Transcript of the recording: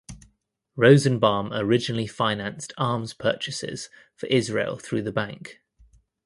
Rosenbaum originally financed arms purchases for Israel through the bank.